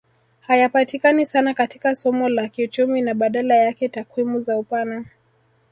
Hayapatikani sana katika somo la kiuchumi na badala yake takwimu za upana